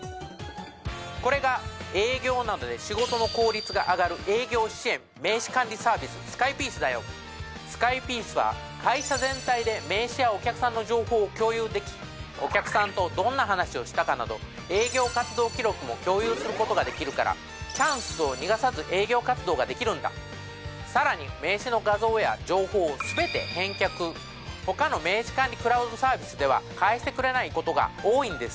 これが営業などで仕事の効率が上がるＳＫＹＰＣＥは会社全体で名刺やお客さんの情報を共有できお客さんとどんな話をしたかなど営業活動記録も共有することができるから更に名刺の画像や情報を全て返却他の名刺管理クラウドサービスでは返してくれないことが多いんです